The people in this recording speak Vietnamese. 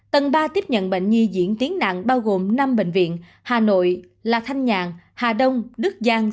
tầng ba tiếp nhận bệnh nhi diễn tiến nạn bao gồm năm bệnh viện hà nội lạc thanh nhạng hà đông đức giang